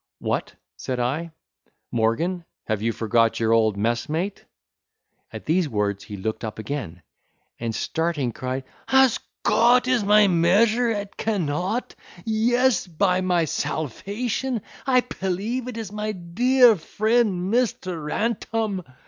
"What," said I, "Morgan, have you forgot your old messmate?" At these words he looked up again, and starting, cried, "As Cot is my—sure it cannot—yes, by my salfation, I pelieve it is my dear friend Mr. Rantom."